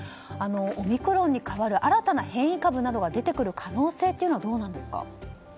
オミクロンに代わる新たな変異株などが出てくる可能性はどうなんですか。